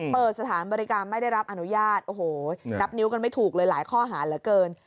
เปิดสถานบริการไม่ได้รับอนุญาตโอ้โหนับนิ้วกันไม่ถูกเลยหลายข้อหาเหลือเกิน